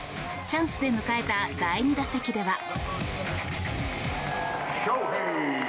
チャンスで迎えた第２打席では。